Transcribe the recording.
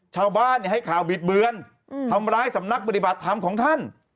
ชาวบ้านให้ข่าวบิดเบือนทำร้ายสำนักปฏิบัติธรรมของท่าน